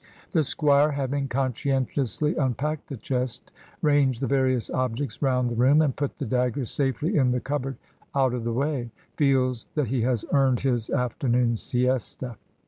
The squire having conscientiously unpacked the chest, ranged the various objects round the room, and put the daggers safely in the cupboard out of the way, feels that he has earned his afternoon's siesta.